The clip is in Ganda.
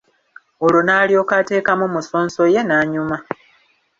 Olwo n'alyoka ateekamu musonso ye n'anyuma.